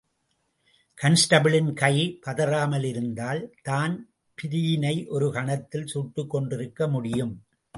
கான்ஸ்டபிளின் கை பதறாமலிருந்திருந்தால் தான்பிரீனை ஒரு கணத்தில் சுட்டுக் கொன்றிருக்க முடியும்.